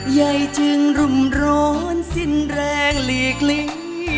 ใหญ่จึงรุ่มร้อนสิ้นแรงหลีกลี